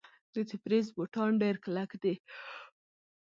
د تبریز بوټان ډیر کلک دي.